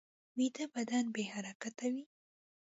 ویده بدن بې حرکته وي